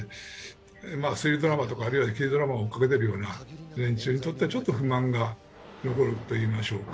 まあ推理ドラマとかあるいは刑事ドラマを追いかけてるような連中にとってはちょっと不満が残るといいましょうか。